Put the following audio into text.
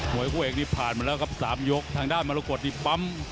วยคู่เอกนี่ผ่านมาแล้วครับสามยกทางด้านมรกฏนี่ปั๊ม